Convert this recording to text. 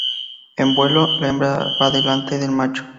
En vuelo, la hembra va delante del macho.